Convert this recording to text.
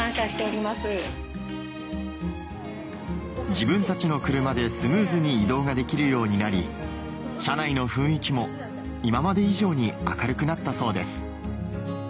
自分たちの車でスムーズに移動ができるようになり車内の雰囲気も今まで以上に明るくなったそうです